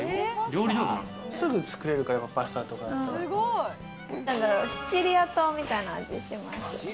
すぐ作れるから、パスタとかシチリア島みたいな味します。